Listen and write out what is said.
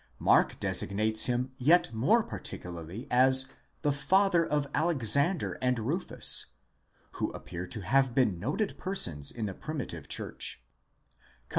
Mark designates him yet more particularly as the father of Alexander and Rufus, who appear to have been noted persons in the primitive church (comp.